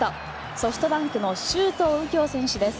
ソフトバンクの周東佑京選手です。